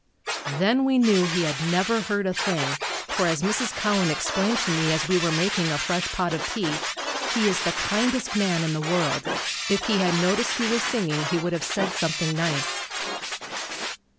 Then we knew he had never heard a thing, for, as Mrs. Cowan explained to me as we were making a fresh pot of tea, "He is the kindest man in the world. If he had noticed you were singing he would have said something nice."